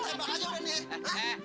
tembak aja udah nih